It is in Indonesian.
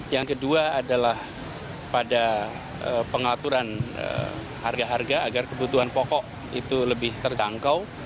yang kedua adalah pada pengaturan harga harga agar kebutuhan pokok itu lebih terjangkau